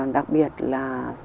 đặc biệt là